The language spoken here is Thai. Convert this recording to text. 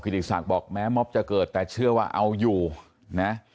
ติศักดิ์บอกแม้มอบจะเกิดแต่เชื่อว่าเอาอยู่นะ